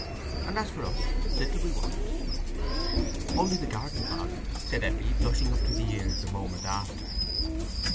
And as for us, it's little we want." "Only the garden, father," said Eppie, blushing up to the ears the moment after.